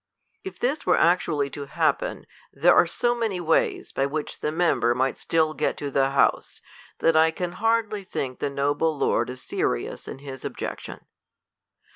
If this were actually to happen, there are so many ways by which the member might still get to the House, that I can hardly think the noble lord is se rious in his objection.